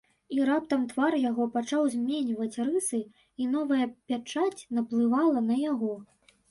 І раптам твар яго пачаў зменьваць рысы, і новая пячаць наплывала на яго.